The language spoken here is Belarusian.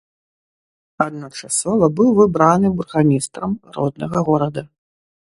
Адначасова быў выбраны бургамістрам роднага горада.